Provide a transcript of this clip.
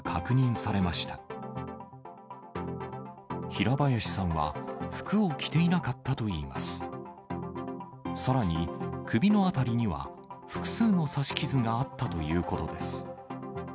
さらに、首の辺りには、複数の刺し傷があったということです。